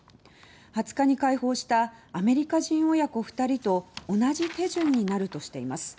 ２０日に解放したアメリカ人親子２人と同じ手順になるとしています。